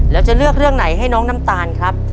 แล้วจะเลือกเรื่องไหนให้น้องน้ำตาลครับ